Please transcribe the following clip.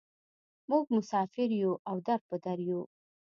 موږ مسافر یوو او در په در یوو.